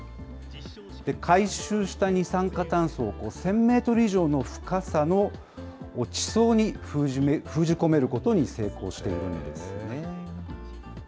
回収した二酸化炭素を１０００メートル以上の深さの地層に封じ込めることに成功しているんですよね。